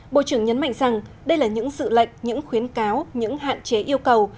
bộ trưởng nhấn mạnh rằng đây là những sự lệnh những khuyến cáo những hạn chế yêu cầu